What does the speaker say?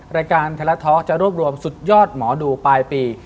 รายการไทยรัฐท็อกจะรวบรวมสุดยอดหมอดูปลายปี